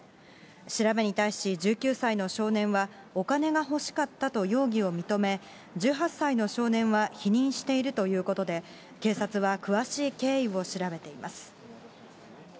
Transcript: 調べに対し、１９歳の少年はお金が欲しかったと容疑を認め、１８歳の少年は否認しているということで、警察は詳しい経緯を調べています。